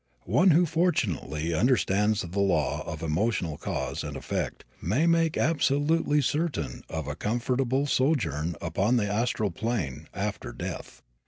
One who fortunately understands the law of emotional cause and effect may make absolutely certain of a comfortable sojourn upon the astral plane after death.